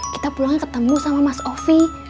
kita pulang ketemu sama mas ovi